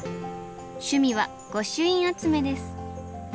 趣味は御朱印集めです。